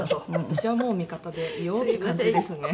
私は味方でいようって感じですね」